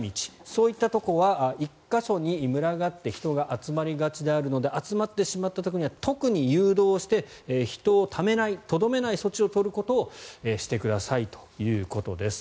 そういったところは１か所に群がって人が集まりがちであるので集まってしまった時には特に誘導して人をためない、とどめない措置を取ることをしてくださいということです。